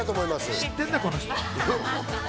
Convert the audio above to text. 知ってんな、この人。